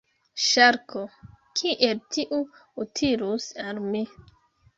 Ŝarko: "Kiel tio utilus al mi?"